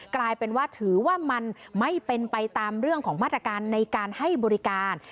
กลายเป็นว่าถือว่ามันไม่เป็นไปตามเรื่องของมาตรการในการให้บริการ